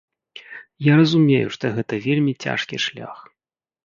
Я разумею, што гэта вельмі цяжкі шлях.